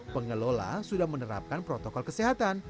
pengelola sudah menerapkan protokol kesehatan